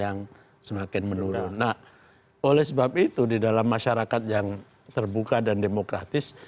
nah oleh sebab itu di dalam masyarakat yang terbuka dan demokratis